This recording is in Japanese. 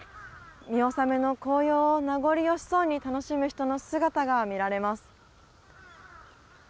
見納めの紅葉を名残惜しそうに楽しむ人の姿が見られます。